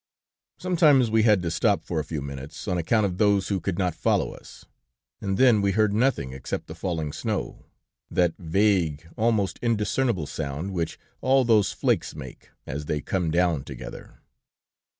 ] "Sometimes we had to stop for a few minutes, on account of those who could not follow us, and then we heard nothing except the falling snow, that vague, almost indiscernible sound which all those flakes make, as they come down together.